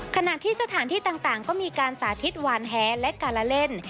ขณะที่สถานที่ต่างก็มีการสาธิตหวานแหและการละเล่น